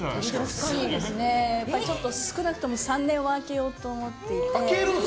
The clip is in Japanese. そうですね少なくとも３年は空けようと思っていて。